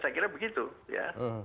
saya kira begitu ya